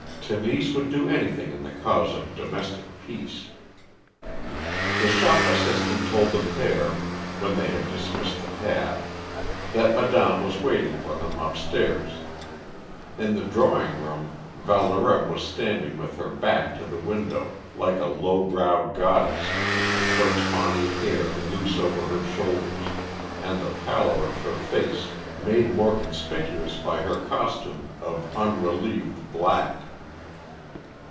Tenise would do anything in the cause of domestic peace. The shop assistant told the pair, when they had dismissed the cab, that madame was waiting for them upstairs. In the drawing room Valdorême was standing with her back to the window like a low browed goddess, her tawny hair loose over her shoulders, and the pallor of her face made more conspicuous by her costume of unrelieved black.